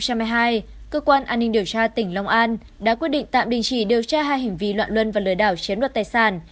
cơ quan an ninh điều tra tỉnh long an đã quyết định tạm đình chỉ điều tra hai hình ví loạn luân và lừa đảo chiếm luật tài sản